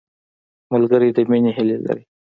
ملګری د مینې هیلې لري